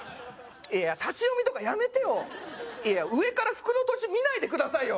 いや立ち読みとかやめてよいや上から袋とじ見ないでくださいよ